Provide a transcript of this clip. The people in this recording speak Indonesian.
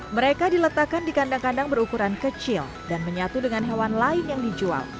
mereka diletakkan di kandang kandang berukuran kecil dan menyatu dengan hewan lain yang dijual